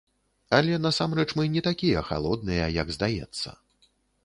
Але насамрэч мы не такія халодныя, як здаецца.